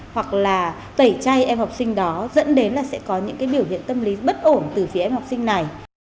hoặc là tẩy chay em học sinh đó dẫn đến là sẽ có những cái biểu hiện tâm lý bất ổn từ phía em học sinh này